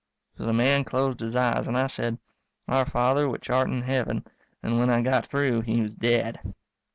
So the man closed his eyes and I said, Our Father which art in Heaven, and when I got through he was dead.